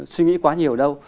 suy nghĩ quá nhiều đâu